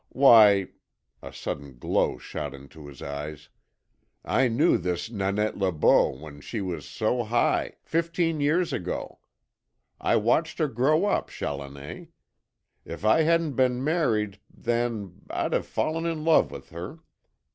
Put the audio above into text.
Why (a sudden glow shot into his eyes) I knew this Nanette Le Beau when she was SO HIGH, fifteen years ago. I watched her grow up, Challoner. If I hadn't been married then I'd have fallen in love with her.